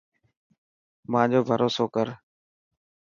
مانجو ڀروسو ڪر.